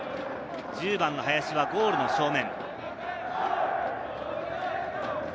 １０番・林はゴールの正面。